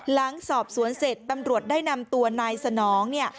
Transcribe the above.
หลังสอบสวนเสร็จตำรวจได้นำตัวนายสนองเนี่ย